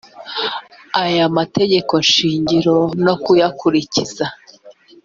aya mategeko shingiro no kuyakurikiza